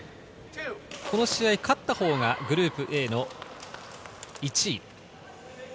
この試合、勝ったほうがグループＡの１位。